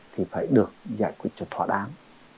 thì phải được giải quyết cho thoải mái